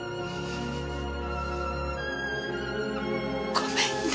ごめんね。